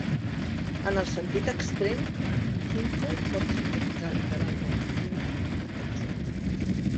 En el sentit extrem, Hindko pot significar literalment "indi" en paixtu.